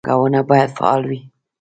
بانکونه باید څنګه فعال وي؟